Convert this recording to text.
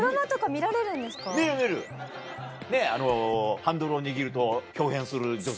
ハンドルを握ると豹変する女性。